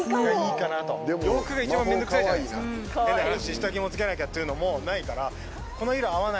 下着を着けなきゃっていうのもないから。